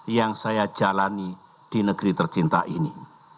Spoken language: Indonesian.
yang saya jalani di negeri tercinta ini